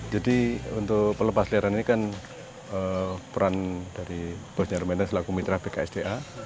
jadi untuk pelepasliaran ini kan peran dari bus nyaru menteng selaku mitra bksda